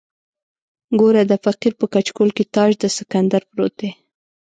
ګوره د فقیر په کچکول کې تاج د سکندر پروت دی.